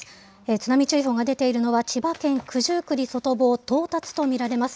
津波注意報が出ているのは、千葉県九十九里外房、到達と見られます。